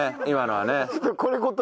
今のはね。